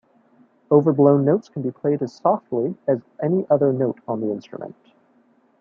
Overblown notes can be played as softly as any other note on the instrument.